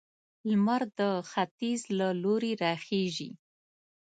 لمر د ختيځ له لوري راخيژي